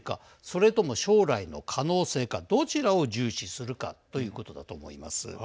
それとも将来の可能性かどちらを重視するかということだと思います。